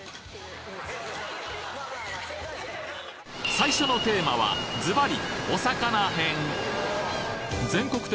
最初のテーマはズバリ！